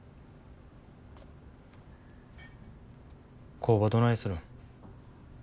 工場どないするん。